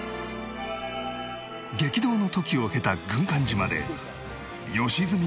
激動の時を経た軍艦島で良純が見たのは